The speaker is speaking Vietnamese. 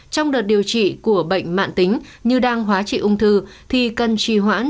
trong đợt điều trị của bệnh mạng tính như đang hóa trị ung thư thì cần trì hoãn